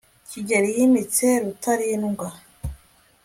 kigeli yimitse rutalindwa